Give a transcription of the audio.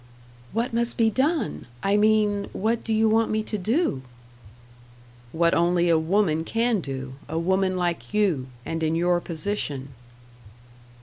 "What must be done? I mean, what do you want me to do?" "What only a woman can do a woman like you, and in your position."